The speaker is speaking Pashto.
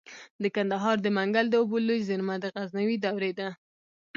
د کندهار د منگل د اوبو لوی زیرمه د غزنوي دورې ده